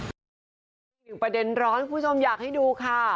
ประเด็นร้อนคุณผู้ชมอยากให้ดูค่ะ